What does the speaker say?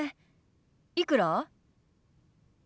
いくら？